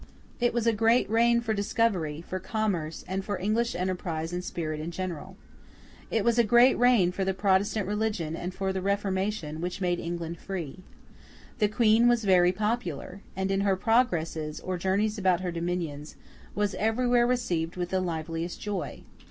It was a great reign for discovery, for commerce, and for English enterprise and spirit in general. It was a great reign for the Protestant religion and for the Reformation which made England free. The Queen was very popular, and in her progresses, or journeys about her dominions, was everywhere received with the liveliest joy.